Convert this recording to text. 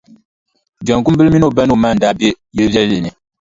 Jaŋkumbila mini o ba ni o ma n-daa be yili viɛlli ni.